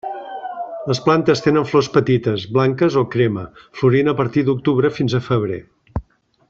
Les plantes tenen flors petites, blanques o crema, florint a partir d'octubre fins a febrer.